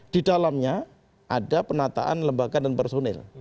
di dalamnya ada penataan lembaga dan personil